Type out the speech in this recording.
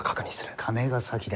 金が先だ。